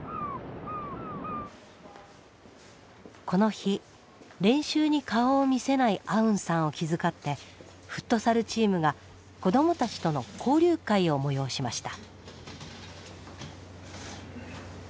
この日練習に顔を見せないアウンさんを気遣ってフットサルチームが子どもたちとの交流会を催しました。